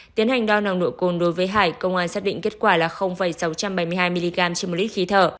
tiến hành đo nặng nụ côn đối với hải công an xác định kết quả là sáu trăm bảy mươi hai mg trên một lít khí thở